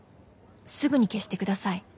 すぐに消してください。